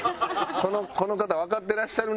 「この方わかってらっしゃるな」やろ。